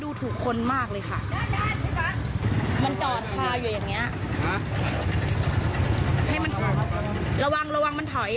ดูค่ะพวกเขาออกไปไหนแล้ว